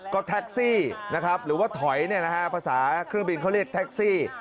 ก็แทคซี่นะครับหรือว่าถอยเนี่ยนะฮะภาษาเครื่องบินเขาเรียกแทคซี่